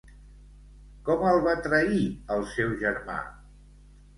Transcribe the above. Com el va trair el seu germà?